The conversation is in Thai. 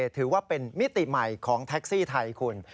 ถือว่าเป็นมิติใหม่ของแท็กซี่ไทยคุณ